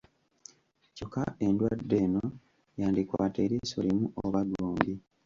Kyokka endwadde eno yandikwata eriiso limu oba gombi